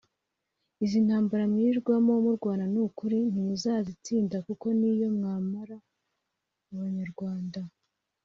Izi ntambara mwirirwamo murwana n’ukuri ntimuzazitsinda kuko niyo mwamara abanyarwanda